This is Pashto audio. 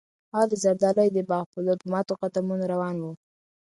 هغه د زردالیو د باغ په لور په ماتو قدمونو روان و.